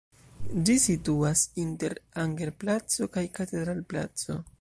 Ĝi situas inter Anger-placo kaj Katedral-placo.